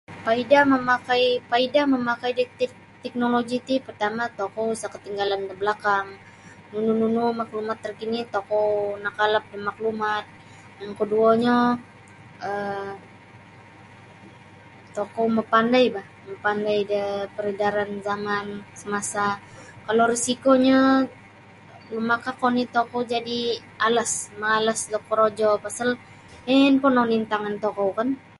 Paidah mamakai paidah mamakai da tek teknoloji ti partama' tokou isa' ketinggalan da belakang nunu nunu maklumat terkini tokou nakalap da maklumat yang koduonyo um tokou mapandai bah mapandai da peredaran zaman semasa kalau risikonyo lumakak oni' tokou jadi' alas malas bokorojo pasal hinpun oni antangan tokou kan.